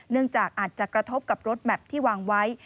จากอาจจะกระทบกับรถแมพที่วางไว้